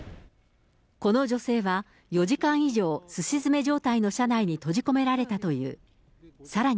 この女性は、４時間以上すし詰め状態の車内に閉じ込められたという。